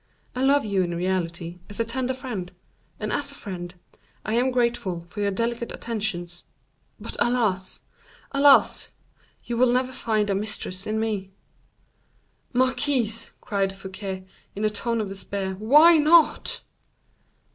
I love you in reality, as a tender friend; and as a friend, I am grateful for your delicate attentions—but, alas!—alas! you will never find a mistress in me." "Marquise!" cried Fouquet, in a tone of despair; "why not?"